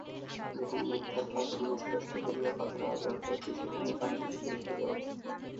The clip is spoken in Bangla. যেখানে মিথ্যার ফাঁদ এমন স্পষ্ট করিয়া পাতা, দরকার কী সেখানে বাহাদুরি করিতে যাওয়া?